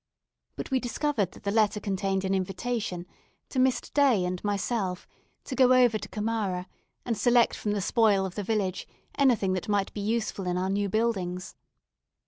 But we discovered that the letter contained an invitation, to Mr. Day and myself, to go over to Kamara, and select from the spoil of the village anything that might be useful in our new buildings.